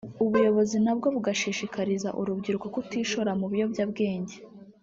ubuyobozi nabwo bugashishikariza urubyiruko kutishora mu biyobyabwenge